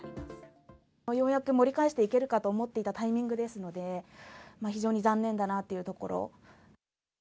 ようやく盛り返していけるかと思っていたタイミングですので、非常に残念だなというところ。